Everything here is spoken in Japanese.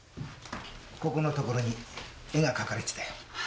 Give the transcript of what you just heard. ここのところに絵が描かれてたよ。